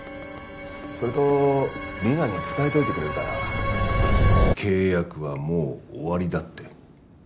それとリナに伝えておいてくれるかな契約はもう終わりだって。